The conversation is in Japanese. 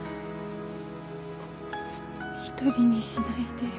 １人にしないでよ。